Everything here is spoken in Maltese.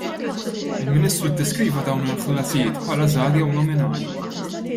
Il-Ministru ddeskriva dawn il-ħlasijiet bħala żgħar jew nominali.